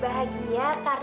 makasih ya sama sama